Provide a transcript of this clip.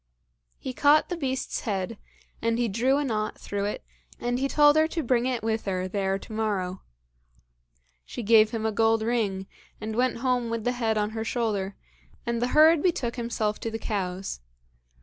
He caught the beast's head, and he drew a knot through it, and he told her to bring it with her there to morrow. She gave him a gold ring, and went home with the head on her shoulder, and the herd betook himself to the cows.